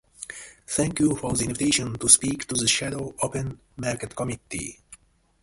Thank you for the invitation to speak to the Shadow Open Market Committee.